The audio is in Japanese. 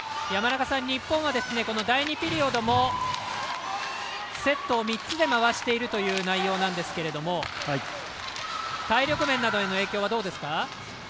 日本は第２ピリオドもセットを３つで回しているという内容なんですけど体力面などへの影響はどうですか？